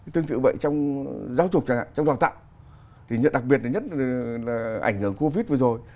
tương tự vậy trong giáo dục trong đoàn tạo thì đặc biệt là nhất là ảnh hưởng covid vừa rồi